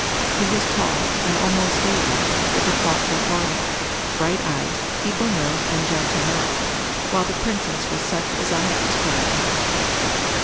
He was tall, and almost stately, with a thoughtful forehead, bright eyes, eagle nose, and gentle mouth; while the princess was such as I have described her.